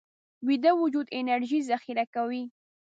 ویده وجود انرژي ذخیره کوي